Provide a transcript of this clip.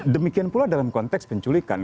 demikian pula dalam konteks penculikan